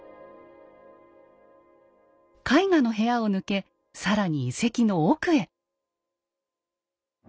絵画の部屋を抜け更に遺跡の奥へ。